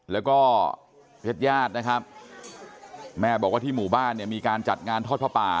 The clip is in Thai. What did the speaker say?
แล้วก็ญาติญาตินะครับแม่บอกว่าที่หมู่บ้านเนี่ยมีการจัดงานทอดผ้าป่า